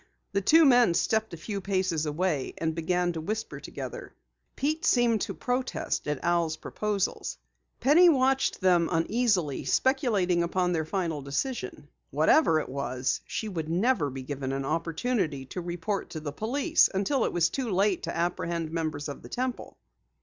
The two men stepped a few paces away and began to whisper together. Pete seemed to protest at Al's proposals. Penny watched them uneasily, speculating upon their final decision. Whatever it was, she would never be given an opportunity to report to the police until it was too late to apprehend members of the Temple.